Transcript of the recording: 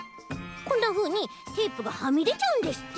こんなふうにテープがはみでちゃうんですって。